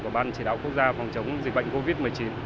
của ban chỉ đạo quốc gia phòng chống dịch bệnh covid một mươi chín